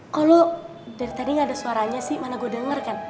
kalau dari tadi gak ada suaranya sih mana gue denger kan